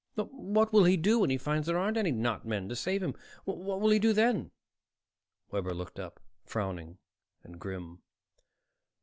"But what will he do when he finds there aren't any 'not men' to save him? What will he do then?" Webber looked up, frowning and grim.